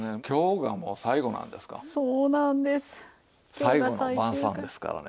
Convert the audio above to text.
今日がもう最後なんですか？